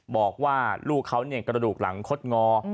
บอกว่าลูกเขากระดูกหลังคดงอ